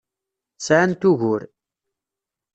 Sɛant ugur.